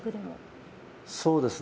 そうですね。